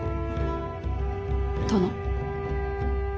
殿。